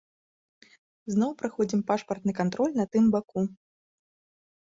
Зноў праходзім пашпартны кантроль на тым баку.